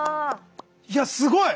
いやすごい。